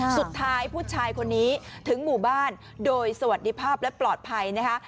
สุดท้ายผู้ชายคนนี้ถึงหมู่บ้านโดยสวัสดีภาพและปลอดภัยนะคะ